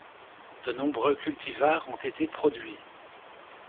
De nombreux cultivars ont été produits.